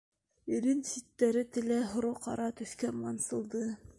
Ирен ситтәре, теле һоро-ҡара төҫкә мансылды.